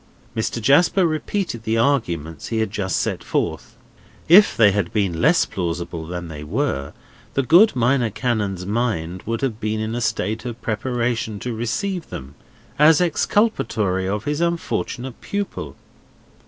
Mr. Jasper repeated the arguments he had just set forth. If they had been less plausible than they were, the good Minor Canon's mind would have been in a state of preparation to receive them, as exculpatory of his unfortunate pupil.